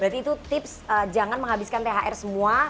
berarti itu tips jangan menghabiskan thr semua